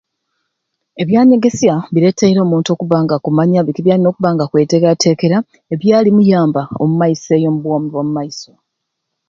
Ebyanyegesya bireeteire omuntu okubba nga akumanya biki byalina okubba nga akwetekerateekera ebyalimuyamba omu maiso eyo omu bwoomi bwa mu maiso.